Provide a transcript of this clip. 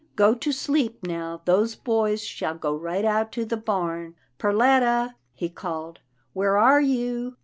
" Go to sleep now, those boys shall go right out to the barn — Perletta," he called, " where are you?"